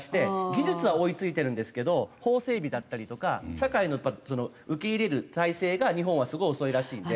技術は追い付いてるんですけど法整備だったりとか社会の受け入れる体制が日本はすごい遅いらしいので。